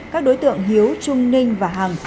các đối tượng hiếu trung ninh và hằng